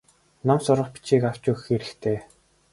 Ном сурах бичиг авч өгөх хэрэгтэй.